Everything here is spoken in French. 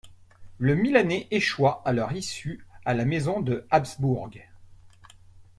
Le Milanais échoit à leur issue à la maison de Habsbourg.